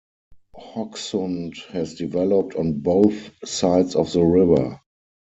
Hokksund has developed on both sides of the river.